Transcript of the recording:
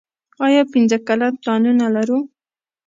آیا پنځه کلن پلانونه لرو؟